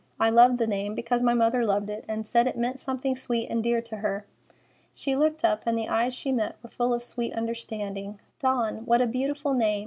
I love the name because my mother loved it, and said it meant something sweet and dear to her." She looked up, and the eyes she met were full of sweet understanding. "Dawn! What a beautiful name!